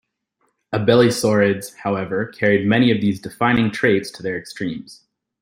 Abelisaurids, however, carried many of these defining traits to their extremes.